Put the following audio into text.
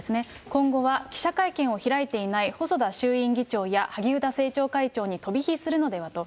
今後は記者会見を開いていない細田衆院議長や、萩生田政調会長に飛び火するのではと。